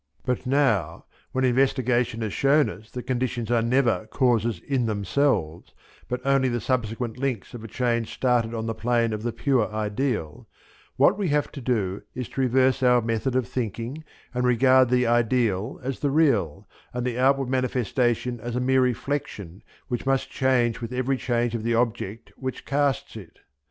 But now when investigation has shown us that conditions are never causes in themselves, but only the subsequent links of a chain started on the plane of the pure ideal, what we have to do is to reverse our method of thinking and regard the ideal as the real, and the outward manifestation as a mere reflection which must change with every change of the object which casts it.